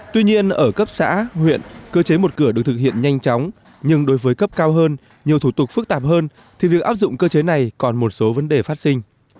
tuy nhiên ở cấp xã huyện cơ chế một cửa được thực hiện nhanh chóng nhưng đối với cấp cao hơn nhiều thủ tục phức tạp hơn thì việc áp dụng cơ chế này còn một số vấn đề phát sinh